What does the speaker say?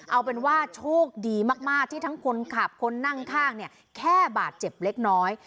เอาเป็นว่าโชคดีมากที่ทั้งคนขับคนนั่งข้างเนี่ยแค่บาดเจ็บเล็กน้อย